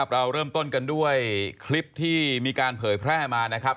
เราเริ่มต้นกันด้วยคลิปที่มีการเผยแพร่มานะครับ